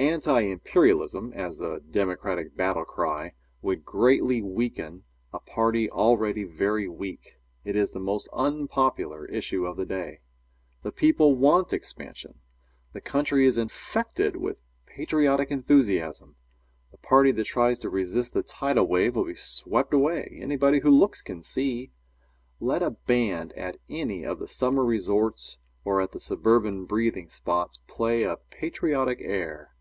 Answer. Anti imperialism, as the Democratic battle cry, would greatly weaken a party already very weak. It is the most unpopular issue of the day. The people want expansion. The country is infected with patriotic enthusiasm. The party that tries to resist the tidal wave will be swept away. Anybody who looks can see. Let a band at any of the summer resorts or at the suburban breathing spots play a patriotic air.